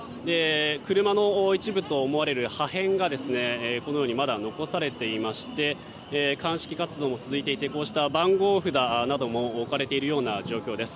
車の一部と思われる破片がまだ残されていまして鑑識活動も続いていて番号札なども置かれている状況です。